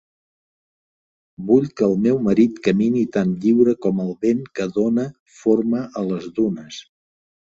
Vull que el meu marit camini tan lliure com el vent que dona forma a les dunes.